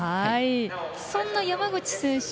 そんな山口選手